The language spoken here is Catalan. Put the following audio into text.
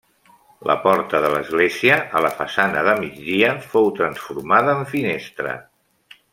La porta de l'església, a la façana de migdia, fou transformada en finestra.